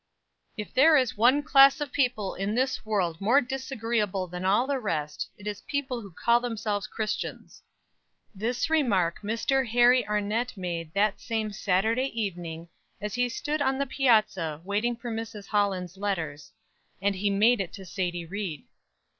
"If there is one class of people in this world more disagreeable than all the rest, it is people who call themselves Christians." This remark Mr. Harry Arnett made that same Saturday evening, as he stood on the piazza waiting for Mrs. Holland's letters. And he made it to Sadie Ried.